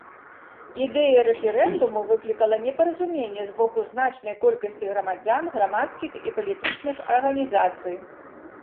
Ідэя рэферэндуму выклікала непаразуменне з боку значнай колькасці грамадзян, грамадскіх і палітычных арганізацый.